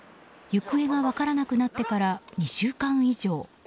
行方が分からなくなってから２週間以上。